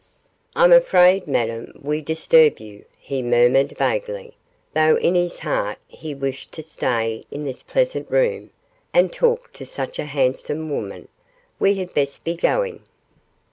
'I'm afraid, Madame, we disturb you,' he murmured vaguely, though in his heart he wished to stay in this pleasant room and talk to such a handsome woman; 'we had best be going.